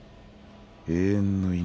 永遠の命。